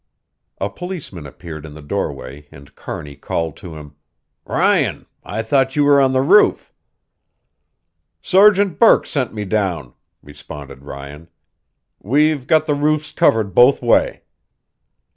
A policeman appeared in the doorway and Kearney called to him, "Ryan, I thought you were on the roof." "Sergeant Burke sent me down," responded Ryan. "We've got the roofs covered both way."